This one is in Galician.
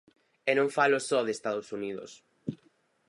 E non falo só de Estados Unidos.